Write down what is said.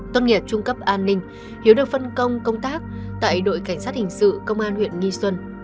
tốt nghiệp trung cấp an ninh hiếu được phân công công tác tại đội cảnh sát hình sự công an huyện nghi xuân